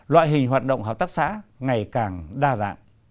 loại hình hoạt động hợp tác xã ngày càng đa dạng